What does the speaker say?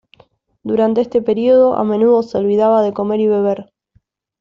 Durante este período, a menudo se olvidaba de comer y beber.